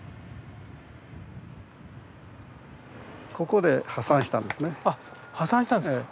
ここで破産したんですね。